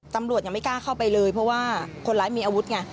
ตำรวจยังไม่กล้าเข้าไปเลยเพราะว่าคนร้ายมีอาวุธไง